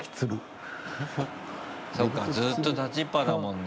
そっかずっと立ちっぱだもんね。